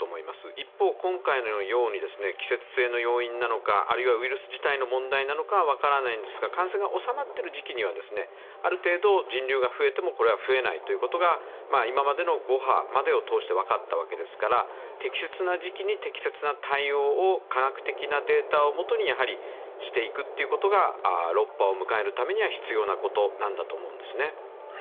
一方、今回のように季節性の要因なのかあるいはウイルス自体の問題なのかは分からないんですが感染が収まっているときには、人流が増えても増えないということが今までの５波までを通して分かったわけですから適切な時期に適切な対応を科学的なデータを基にしていくことが６波を迎えるときには必要なことなんだと思います。